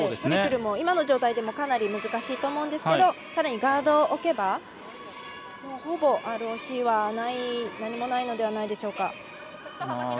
トリプルも今の状態でもかなり難しいと思うんですけどさらにガードを置けばほぼ、ＲＯＣは何もないのではないでしょうか。